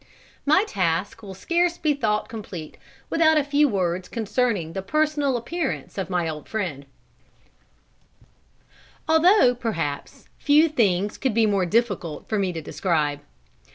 My task will scarce be thought complete without a few words concerning the personal appearance of my old friend; although, perhaps, few things could be more difficult for me to describe.